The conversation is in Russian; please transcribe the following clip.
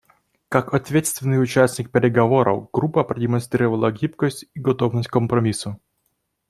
Как ответственный участник переговоров группа продемонстрировала гибкость и готовность к компромиссу.